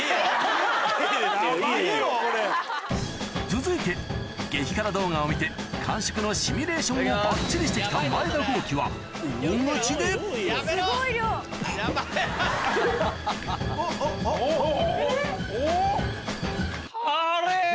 続いて激辛動画を見て完食のシミュレーションをばっちりして来た前田公輝は大口で・おっおっおっ？